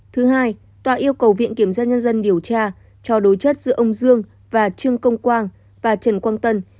thứ hai tòa yêu cầu viện kiểm tra nhân dân điều tra cho đối chất giữa ông dương và trương công quang và trần quang tân